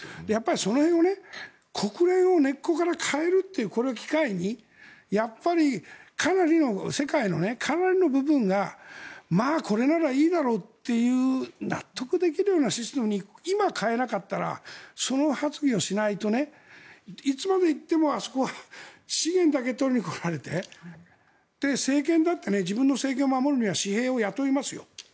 その辺の国連を根っこから変えるというこれを機会に世界のかなりの部分がまあ、これならいいだろうという納得できるようなシステムに今、変えなかったらその発議をしないといつまで行ってもあそこは資源だけ取りに来られて政権だって自分の政権を守るには私兵を雇いますよ。